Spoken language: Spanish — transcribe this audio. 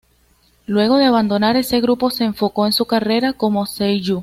Luego de abandonar ese grupo, se enfocó en su carrera como seiyū.